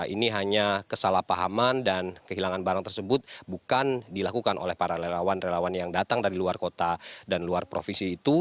ini hanya kesalahpahaman dan kehilangan barang tersebut bukan dilakukan oleh para relawan relawan yang datang dari luar kota dan luar provinsi itu